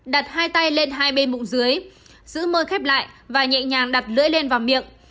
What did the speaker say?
đặt hai tay lên hai bên mụng dưới giữ mưa khép lại và nhẹ nhàng đặt lưỡi lên vào miệng